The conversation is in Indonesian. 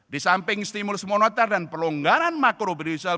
di samping stimulus moneter dan pelonggaran makro berinisial